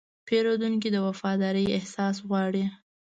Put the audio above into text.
پیرودونکی د وفادارۍ احساس غواړي.